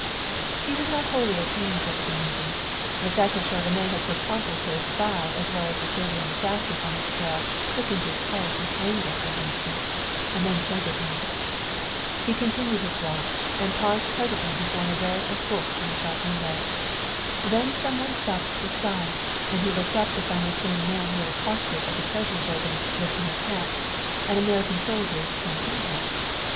He was not wholly at ease over the meeting. The fact that Chauvenet had so promptly put a spy as well as the Servian assassin on his trail quickened his pulse with anger for an instant and then sobered him. He continued his walk, and paused presently before an array of books in a shop window. Then some one stopped at his side and he looked up to find the same man he had accosted at the Treasury Building lifting his hat, an American soldier's campaign hat.